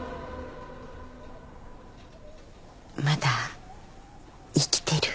まだ生きてる？